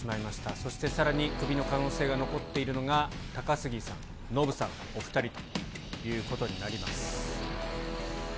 そしてさらにクビの可能性が残っているのが、高杉さん、ノブさん、お２人ということになります。